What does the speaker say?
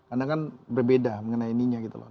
karena kan berbeda mengenai ininya gitu loh